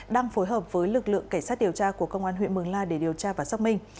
đang phối hợp với lực lượng cảnh sát điều tra của công an huyện mường la để điều tra và xác minh